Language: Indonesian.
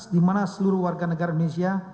dimana seluruh warga negara indonesia